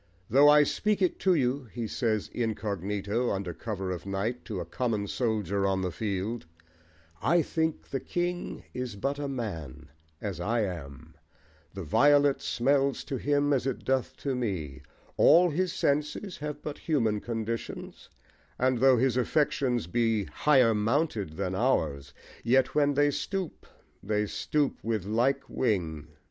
"Though I speak it to you," he says incognito, under cover of night, to a common soldier on the field, "I think the king is but a man, as I am: the violet smells to him as it doth to me: all his senses have but human conditions; and though his affections be higher mounted than ours yet when they stoop they stoop with like wing."